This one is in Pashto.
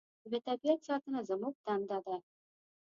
د طبیعت ساتنه زموږ دنده ده.